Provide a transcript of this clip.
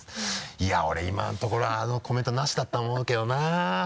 「いや俺今のところあのコメントなしだと思うけどな」